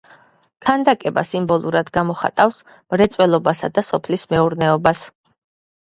ქანდაკება სიმბოლურად გამოხატავს მრეწველობასა და სოფლის მეურნეობას.